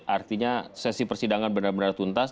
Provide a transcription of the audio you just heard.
artinya sesi persidangan benar benar tuntas